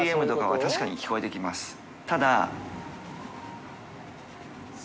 ただ。